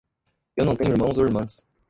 Eu não tenho irmãos ou irmãs.